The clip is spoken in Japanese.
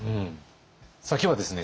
さあ今日はですね